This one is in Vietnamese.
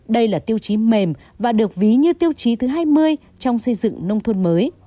đây là tiêu chí mềm và được ví như tiêu chí thứ hai mươi trong xây dựng nông thôn mới